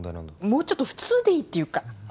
もうちょっと普通でいいっていうかはっ？